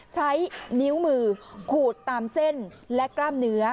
ใช้นิ้วมือขูดตามเส้นและกล้ามเนื้อ